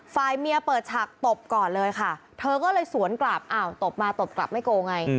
ฝ่ายเมียเปิดฉากตบก่อนเลยค่ะเธอก็เลยสวนกลับอ้าวตบมาตบกลับไม่โกงไง